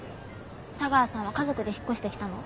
茶川さんは家族で引っ越してきたの？